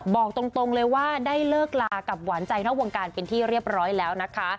บอกตรงเลยว่าได้เลิกลากับหวานใจนอกวงการเป็นที่เรียบร้อยแล้วนะคะ